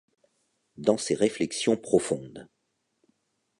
Dans ses réflexions profondes